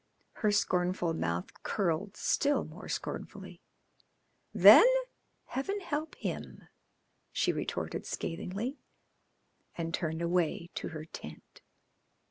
Her scornful mouth curled still more scornfully. "Then Heaven help him!" she retorted scathingly, and turned away to her tent.